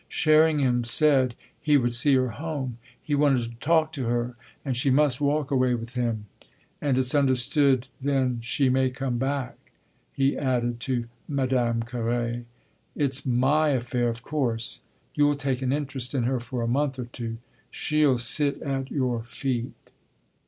Sherringham said he would see her home he wanted to talk to her and she must walk away with him. "And it's understood then she may come back," he added to Madame Carré. "It's my affair of course. You'll take an interest in her for a month or two; she'll sit at your feet."